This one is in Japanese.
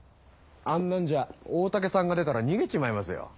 あんなんじゃ大嶽さんが出たら逃げちまいますよ。